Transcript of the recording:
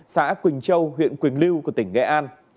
xã quỳnh châu huyện quỳnh lưu của tỉnh nghệ an